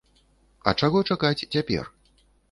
А чаго чакаць цяпер?